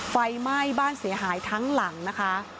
ไฟไหม้บ้านเสียหายทั้งหลังนะคะ